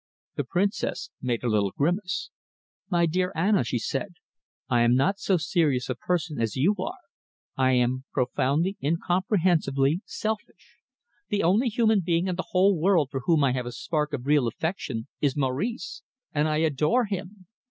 The Princess made a little grimace. "My dear Anna," she said, "I am not so serious a person as you are. I am profoundly, incomprehensibly selfish. The only human being in the whole world for whom I have had a spark of real affection is Maurice, and I adore him.